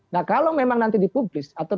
nah kalau memang nanti dipublis atau